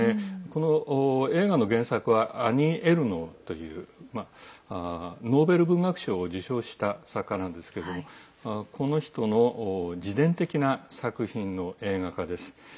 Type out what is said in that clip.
この映画の原作はアニー・エルノーというノーベル文学賞を受賞した作家なんですけれどもこの人の自伝的な作品の映画化です。